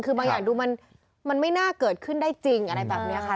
คือบางอย่างดูมันไม่น่าเกิดขึ้นได้จริงอะไรแบบนี้ค่ะ